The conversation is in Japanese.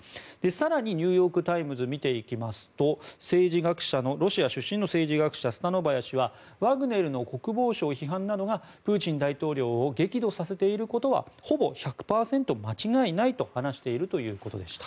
更にニューヨーク・タイムズを見ていきますとロシア出身の政治学者スタノバヤ氏はワグネルの国防省批判などがプーチン大統領を激怒させていることはほぼ１００％間違いないと話しているということでした。